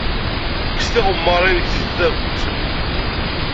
Kkes tiɣemmar-nnek seg tdabut.